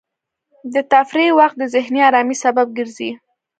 د تفریح وخت د ذهني ارامۍ سبب ګرځي.